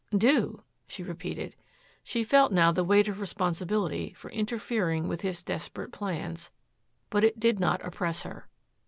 "Do?" she repeated. She felt now the weight of responsibility for interfering with his desperate plans, but it did not oppress her.